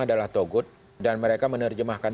adalah togut dan mereka menerjemahkan